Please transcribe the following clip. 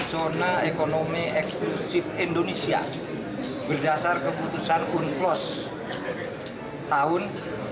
zona ekonomi eksklusif indonesia berdasar keputusan unclosed tahun seribu sembilan ratus delapan puluh